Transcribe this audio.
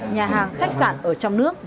nhà hàng khách sạn ở trong tỉnh lào cai